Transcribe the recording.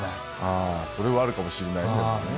あそれはあるかもしれないけどね。